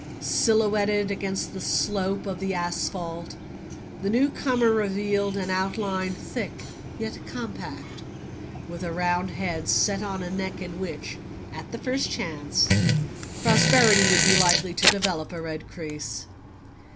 Silhouetted against the slope of the asphalt, the newcomer revealed an outline thick yet compact, with a round head set on a neck in which, at the first chance, prosperity would be likely to develop a red crease.